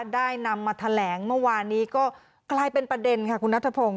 ได้นำมาแถลงเมื่อวานนี้ก็กลายเป็นประเด็นค่ะคุณนัทพงศ